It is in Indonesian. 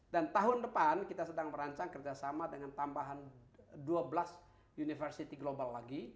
dan tahun depan kita sedang merancang kerjasama dengan tambahan dua belas universitas global lagi